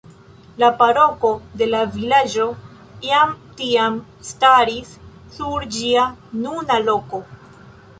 La paroko de la vilaĝo jam tiam staris sur ĝia nuna loko.